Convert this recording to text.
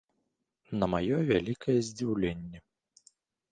На маё вялікае здзіўленне.